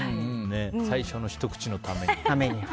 最初の、ひと口のためにって。